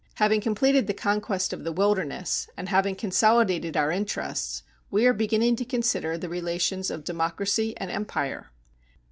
Having completed the conquest of the wilderness, and having consolidated our interests, we are beginning to consider the relations of democracy and empire.